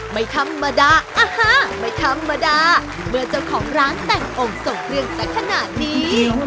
ไม่ธรรมดาอาหารไม่ธรรมดาเมื่อเจ้าของร้านแต่งองค์ทรงเครื่องสักขนาดนี้